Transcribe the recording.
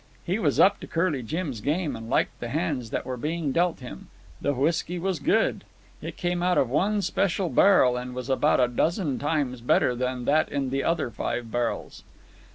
He was up to Curly Jim's game, and liked the hands that were being dealt him. The whisky was good. It came out of one special barrel, and was about a dozen times better than that in the other five barrels.